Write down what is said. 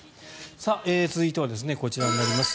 続いてはこちらになります。